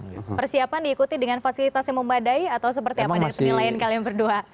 dan si yuni persiapan diikuti dengan fasilitas yang membadai atau seperti apa dari penilaian kalian berdua